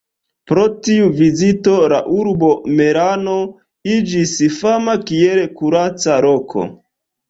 Pro tiu vizito la urbo Merano iĝis fama kiel kuraca loko.